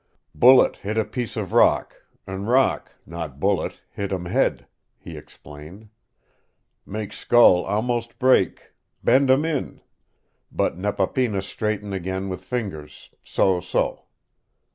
"Bullet hit a piece of rock, an' rock, not bullet, hit um head," he explained. "Make skull almost break bend um in but Nepapinas straighten again with fingers, so so."